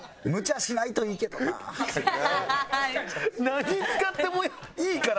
何使ってもいいからって。